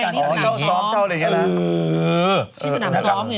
เห็นยังไงอย่างนี้สนามเช่า